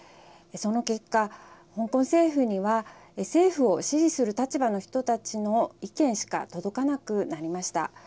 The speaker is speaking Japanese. その結果、香港政府には政府を支持する立場の人たちの意見しか届かなくなりました。